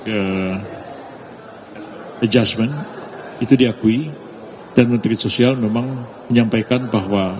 adjustment itu diakui dan menteri sosial memang menyampaikan bahwa